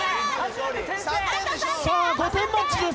さあ５点マッチです。